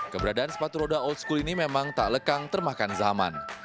keberadaan sepatu roda old school ini memang tak lekang termahkan zaman